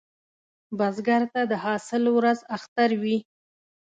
بزګر ته د حاصل ورځ اختر وي